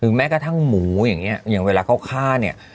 ถึงแม้กระทั่งหมูอย่างนี้เวลาเข้าฆ่าเนี่ย